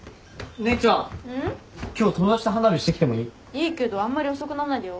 いいけどあんまり遅くなんないでよ。